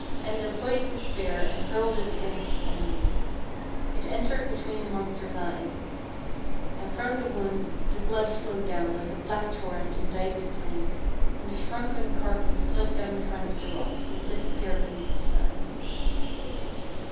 Enda poised his spear and hurled it against his enemy. It entered be tween the monster's eyes, and from the wound the blood flowed down like a black torrent and dyed the plain, and the shrunken carcass slipped down the front of the rocks and disappeared be neath the sand.